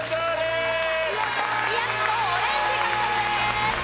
すき焼きとオレンジ獲得です！